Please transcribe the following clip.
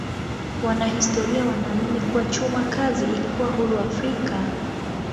Wanahistoria wanaamini kuwa chuma kazi ilikuwa huru Afrika.